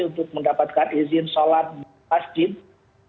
untuk mendapatkan izin sholat berkas dan berkendali